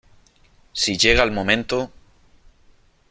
si llega el momento ...